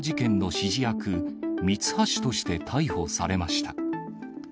指示役、ミツハシとして逮捕されました。